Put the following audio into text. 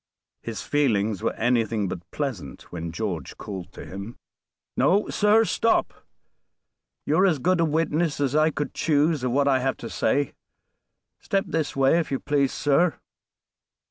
His feelings were anything but pleasant when George called to him: "No, sir! stop. You are as good a witness as I could choose of what I have to say. Step this way, if you please, sir."